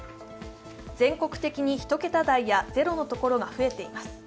全国的に１桁台やゼロのところが増えています。